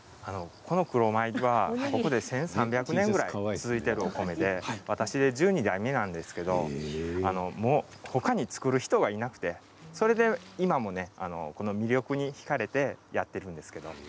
この黒米は、ここで１３００年ぐらい続いてるお米で私で１２代目なんですけどもう、ほかに作る人がいなくてそれで今も、この魅力にひかれてやっているんですけど。